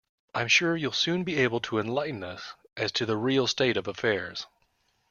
I'm sure you'll soon be able to enlighten us all as to the real state of affairs.